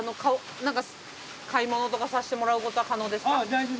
何か買い物とかさせてもらうことは可能ですか？